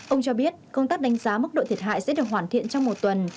ông cho biết công tác đánh giá mức độ thiệt hại sẽ được hoàn thiện trong một tuần